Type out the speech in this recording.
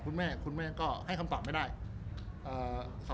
รูปนั้นผมก็เป็นคนถ่ายเองเคลียร์กับเรา